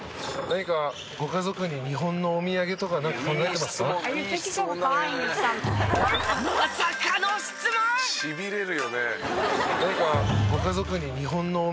何かご家族に日本のお土産とか考えてますか？